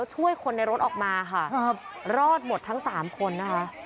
ช่วยคนในรถออกมาค่ะครับรอดหมดทั้งสามคนนะคะ